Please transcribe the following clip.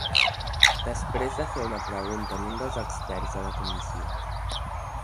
Després de fer una pregunta en un dels experts de la comissió.